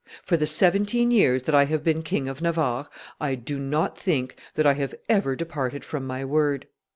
For the seventeen years that I have been King of Navarre, I do not think that I have ever departed from my word.